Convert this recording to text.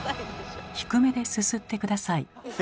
低めですすって下さい。